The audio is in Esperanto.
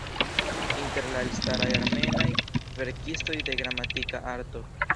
Inter la elstaraj armenaj verkistoj de "Gramatika Arto".